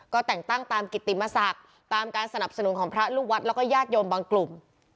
ก็แต่งตั้งตามกิติมศักดิ์ตามการสนับสนุนของพระลูกวัดแล้วก็ญาติโยมบางกลุ่ม